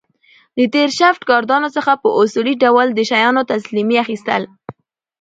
د تېر شفټ ګاردانو څخه په اصولي ډول د شیانو تسلیمي اخیستل